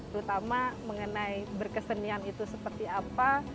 terutama mengenai berkesenian itu seperti apa